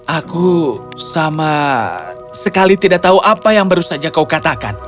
aku sama sekali tidak tahu apa yang baru saja kau katakan